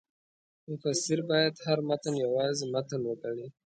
مفسر باید هر متن یوازې متن وګڼي.